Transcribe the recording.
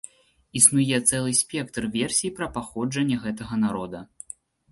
Існуе цэлы спектр версій пра паходжанне гэтага народа.